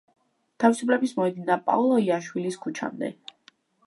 თავისუფლების მოედნიდან პაოლო იაშვილის ქუჩამდე.